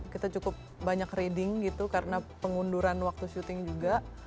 kita cukup banyak reading gitu karena pengunduran waktu syuting juga